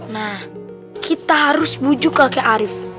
nah kita harus bujuk kakek arief